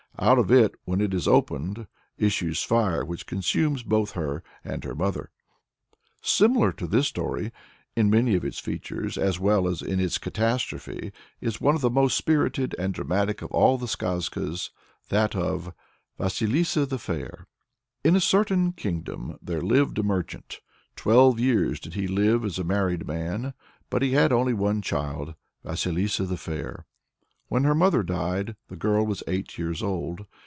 Out of it, when it is opened, issues fire, which consumes both her and her mother. Similar to this story in many of its features as well as in its catastrophe is one of the most spirited and dramatic of all the Skazkas, that of VASILISSA THE FAIR. In a certain kingdom there lived a merchant. Twelve years did he live as a married man, but he had only one child, Vasilissa the Fair. When her mother died, the girl was eight years old.